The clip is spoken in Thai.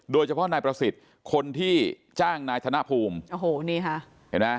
โดยเฉพาะนายประสิทธิ์คนที่จ้างนายธนภูมิโอ้โหนี่ค่ะเห็นไหม